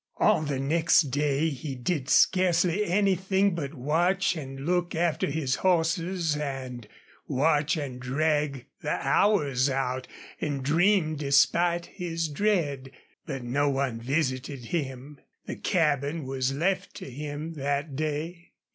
All the next day he did scarcely anything but watch and look after his horses and watch and drag the hours out and dream despite his dread. But no one visited him. The cabin was left to him that day.